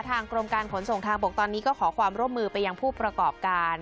กรมการขนส่งทางบกตอนนี้ก็ขอความร่วมมือไปยังผู้ประกอบการ